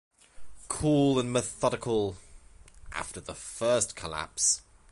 Cool and methodical — after the first collapse.